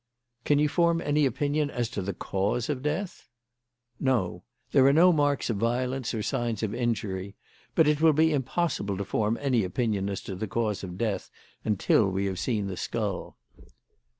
"Can you form any opinion as to the cause of death?" "No. There are no marks of violence or signs of injury. But it will be impossible to form any opinion as to the cause of death until we have seen the skull."